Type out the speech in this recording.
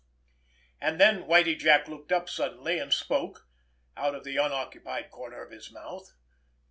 And then Whitie Jack looked up suddenly, and spoke—out of the unoccupied corner of his mouth.